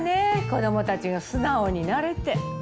子どもたちが素直になれて。